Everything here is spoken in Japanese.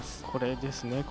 これですね。